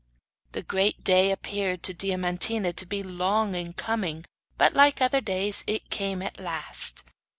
The great day appeared to Diamantina to be long in coming, but, like other days, it came at last.